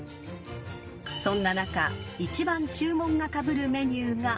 ［そんな中１番注文がかぶるメニューが］